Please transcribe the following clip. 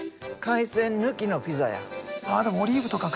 あでもオリーブとかか。